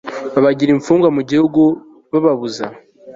babagira imfungwa mu gihugu bababuza